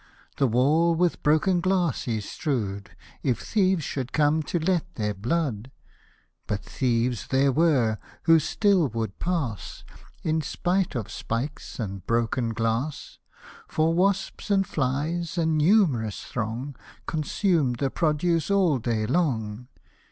The wall with broken glass he strew'd, If thieves should come, to let their blood. But thieves there were, who still would pass, In spite of spikes and broken glass ; For wasps and flies, a num'rous throng, Consumed the produce all day long.